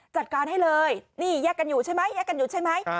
จัดการให้เลยนี่แยกกันอยู่ใช่ไหมแยกกันอยู่ใช่ไหม